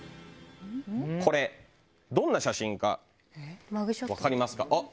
これどんな写真か分かりますか？